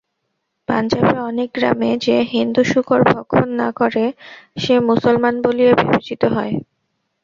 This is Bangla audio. পাঞ্জাবে অনেক গ্রামে যে-হিন্দু শূকর ভক্ষণ না করে, সে মুসলমান বলিয়া বিবেচিত হয়।